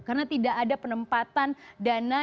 karena tidak ada penempatan dana